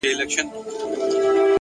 هوډ د شک غږ خاموشوي.!